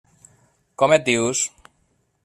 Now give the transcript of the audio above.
Com et dius?